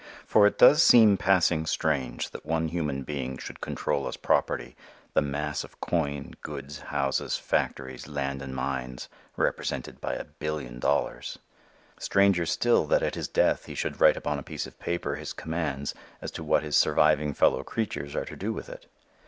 For it does seem passing strange that one human being should control as property the mass of coin, goods, houses, factories, land and mines, represented by a billion dollars; stranger still that at his death he should write upon a piece of paper his commands as to what his surviving fellow creatures are to do with it.